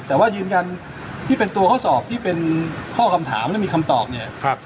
แต่ว่ายืนยันที่เป็นตัวข้อสอบที่เป็นข้อคำถามและมีคำตอบเนี่ย